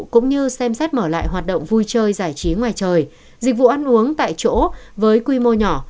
cũng như xem xét mở lại hoạt động vui chơi giải trí ngoài trời dịch vụ ăn uống tại chỗ với quy mô nhỏ